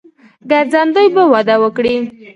ګرځندوی به وده وکړي.